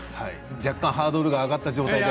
若干、ハードルが上がった状態で。